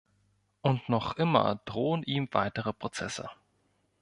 Und noch immer drohen ihm weitere Prozesse.